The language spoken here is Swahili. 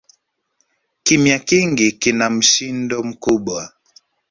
Kimya kingi kina mshindo mkubwa